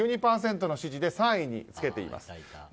１２％の支持で３位につけています。